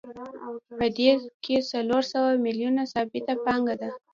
په دې کې څلور سوه میلیونه ثابته پانګه ده